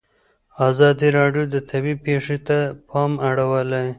ازادي راډیو د طبیعي پېښې ته پام اړولی.